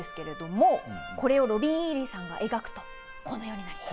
これをロビン・イーリーさんが描くとこのようになります。